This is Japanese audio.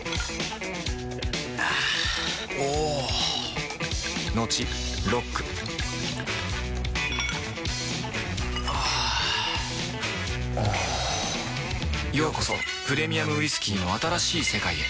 あぁおぉトクトクあぁおぉようこそプレミアムウイスキーの新しい世界へ